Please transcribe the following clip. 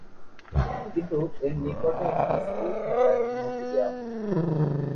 কিন্তু এর নিকটে একটি স্কুল থাকায় অনুমতি দেওয়া হয়নি।